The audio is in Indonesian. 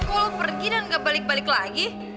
gue lho pergi dan gak balik balik lagi